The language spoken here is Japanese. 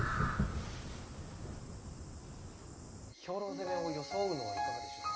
兵糧攻めを装うのはいかがでしょうか。